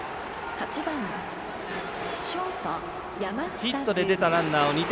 ヒットで出たランナー２点。